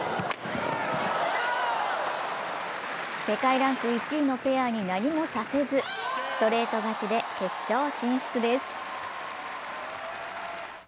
世界ランク１位のペアに何もさせずストレート勝ちで決勝進出です。